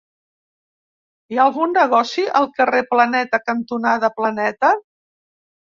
Hi ha algun negoci al carrer Planeta cantonada Planeta?